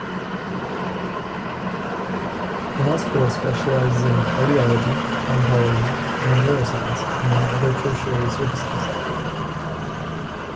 The hospital specialises in cardiology, oncology, and neuroscience, among other tertiary services.